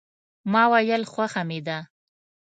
ما ویل خوښه مې ده.